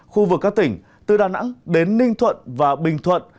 khu vực các tỉnh từ đà nẵng đến ninh thuận và bình thuận